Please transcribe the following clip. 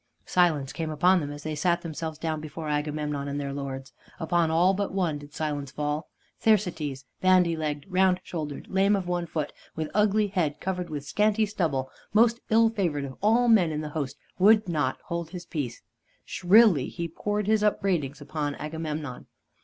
Silence came upon them as they sat themselves down before Agamemnon and their lords. Upon all but one did silence fall. Thersites, bandy legged, round shouldered, lame of one foot, with ugly head covered with scanty stubble, most ill favored of all men in the host, would not hold his peace. Shrilly he poured his upbraidings upon Agamemnon.